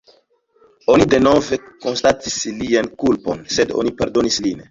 Oni denove konstatis lian kulpon, sed oni pardonis lin.